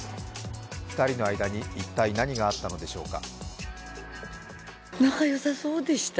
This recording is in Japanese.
２人の間に一体何があったのでしょうか。